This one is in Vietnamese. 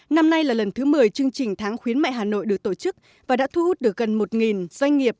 năm nay là lần thứ một mươi chương trình tháng khuyến mại hà nội được tổ chức và đã thu hút được gần một doanh nghiệp